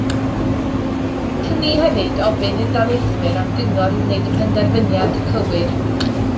Gallwn i hefyd ofyn i'r darlithwyr am gyngor i wneud y penderfyniad cywir